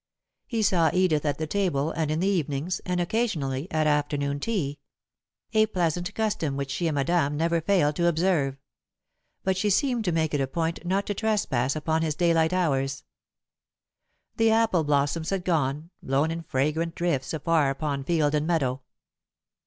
He saw Edith at the table, and in the evenings, and occasionally at afternoon tea a pleasant custom which she and Madame never failed to observe, but she seemed to make it a point not to trespass upon his daylight hours. The apple blossoms had gone, blown in fragrant drifts afar upon field and meadow.